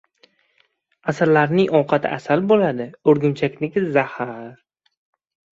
• Asalarining ovqati asal bo‘ladi, o‘rgimchakniki — zahar.